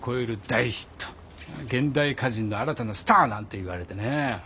現代歌人の新たなスターなんていわれてね。